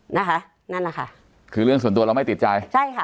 นั่นแหละค่ะคือเรื่องส่วนตัวเราไม่ติดใจใช่ค่ะ